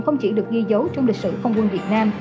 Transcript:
không chỉ được ghi dấu trong lịch sử không quân việt nam